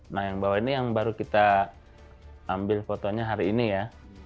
nah yang bawah ini yang baru kita ambil fotonya hari ini ya